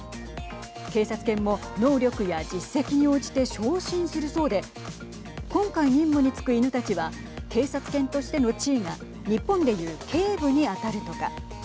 警察犬も能力や実績に応じて昇進するそうで今回任務に就く犬たちは警察犬としての地位が日本でいう警部に当たるとか。